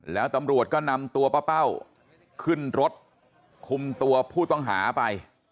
แล้วตำรวจก็นำตัวป้าเป้าขึ้นรถคุมตัวผู้ต้องหาไป